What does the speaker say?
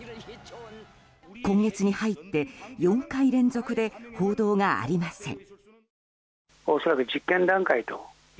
今月に入って４回連続で報道がありません。